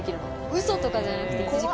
ウソとかじゃなくて。